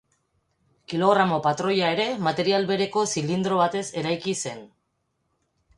Kilogramo-patroia ere material bereko zilindro batez eraiki zen.